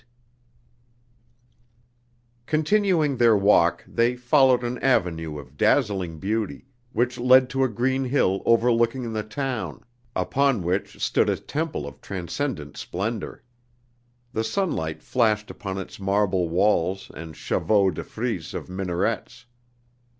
8 Continuing their walk, they followed an avenue of dazzling beauty, which led to a green hill overlooking the town, upon which stood a temple of transcendent splendor. The sunlight flashed upon its marble walls and chevaux de frise of minarets.